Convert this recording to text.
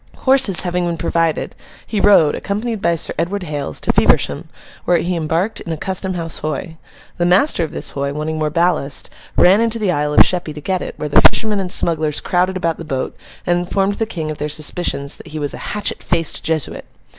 Horses having been provided, he rode, accompanied by Sir Edward Hales, to Feversham, where he embarked in a Custom House Hoy. The master of this Hoy, wanting more ballast, ran into the Isle of Sheppy to get it, where the fishermen and smugglers crowded about the boat, and informed the King of their suspicions that he was a 'hatchet faced Jesuit.